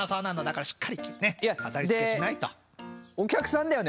いやでお客さんだよね？